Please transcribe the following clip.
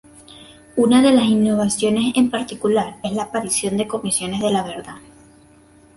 Una de las innovaciones en particular es la aparición de comisiones de la verdad.